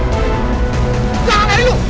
kau mau ngapain ini lu